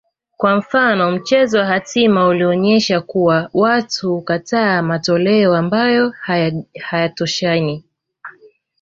kwa mfano mchezo wa hatima ulionyesha kuwa watu hukataa matoleo ambayo hayatoshani